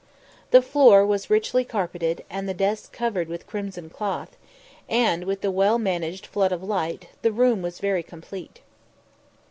The floor was richly carpeted, and the desks covered with crimson cloth, and, with the well managed flood of light, the room was very complete.